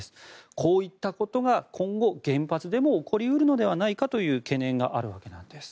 こういったことが今後原発でも起こり得るのではないかという懸念があるわけなんです。